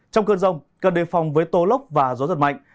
trong cơn rông cần đề phòng với tô lốc và gió giật mạnh